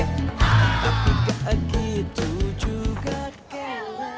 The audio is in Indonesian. tapi gak gitu juga kek